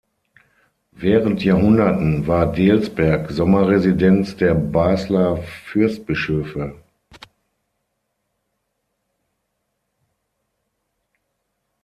Während Jahrhunderten war Delsberg Sommerresidenz der Basler Fürstbischöfe.